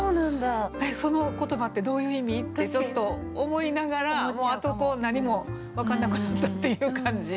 「その言葉ってどういう意味？」ってちょっと思いながらもうあと何も分かんなくなったっていう感じ。